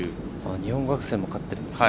日本学生も勝ってるんですね。